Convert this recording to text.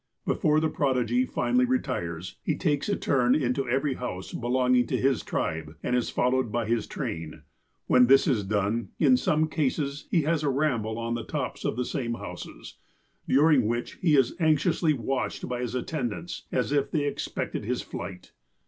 Before the prodigy finally retires, he takes a turn into every house belong ing to his tribe, and is followed by his train. When this is done, in some cases he has a ramble on the tops of the same houses, during which he is anxiously watched by his attend ants, as if they expected his flight.